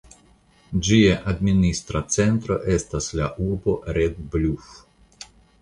Ĝia administra centro estas la urbo Red Bluf.